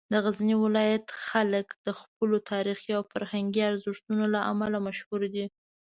د غزني ولایت خلک د خپلو تاریخي او فرهنګي ارزښتونو له امله مشهور دي.